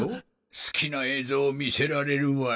好きな映像を見せられるわい。